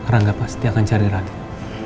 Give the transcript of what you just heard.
rangga pasti akan nyari radit